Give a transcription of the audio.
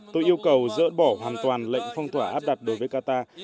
tôi yêu cầu dỡ bỏ hoàn toàn lệnh phong tỏa áp đặt đối với qatar